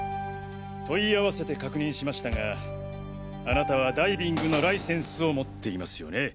問い合わせて確認しましたがあなたはダイビングのライセンスを持っていますよね？